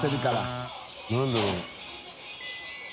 何だろう？